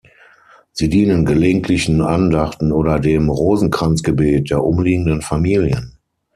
Sie dienen gelegentlichen Andachten oder dem Rosenkranzgebet der umliegenden Familien.